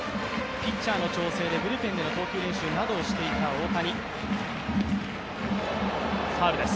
ピッチャーの調整でブルペンでの投球練習をしていた大谷。